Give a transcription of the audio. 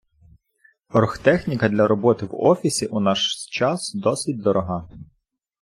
Орхтехніка для роботи в офісі у наш час досить дорога